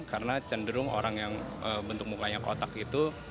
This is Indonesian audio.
karena cenderung orang yang bentuk mukanya kotak itu